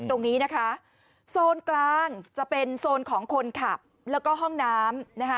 ตรงนี้นะคะโซนกลางจะเป็นโซนของคนขับแล้วก็ห้องน้ำนะคะ